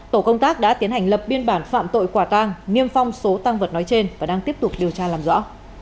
tổ công tác đã tiến hành lập biên bản phạm tội quả tăng niêm phong số tăng vật nói trên và đang tiếp tục điều tra làm rõ